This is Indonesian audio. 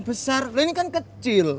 besar ini kan kecil